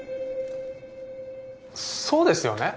そうですよね。